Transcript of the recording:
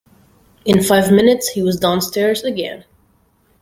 In five minutes he was downstairs again.